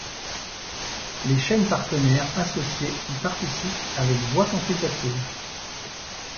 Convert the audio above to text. Les chaînes partenaires associées y participent avec voix consultative.